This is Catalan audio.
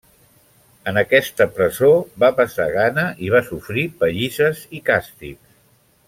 En aquesta presó va passar gana i va sofrir pallisses i càstigs.